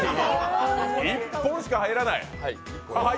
１本しか入らない。